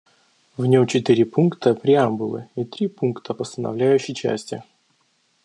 В нем четыре пункта преамбулы и три пункта постановляющей части.